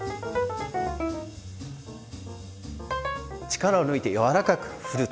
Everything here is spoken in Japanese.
力を抜いて柔らかく振る。